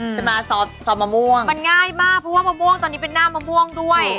ซอสมะม่วงมันง่ายมากเพราะว่ามะม่วงตอนนี้เป็นหน้ามะม่วงด้วย